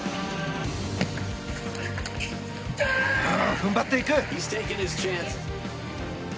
踏ん張っていく！